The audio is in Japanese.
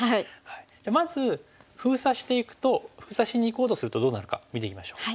じゃあまず封鎖していくと封鎖しにいこうとするとどうなるか見ていきましょう。